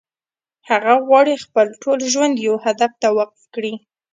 هغه غواړي خپل ټول ژوند يو هدف ته وقف کړي.